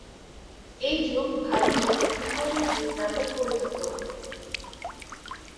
এই যুগ ভারতের ধ্রুপদি যুগ নামে পরিচিত।